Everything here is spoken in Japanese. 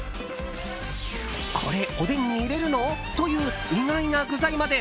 これ、おでんに入れるの？という意外な具材まで。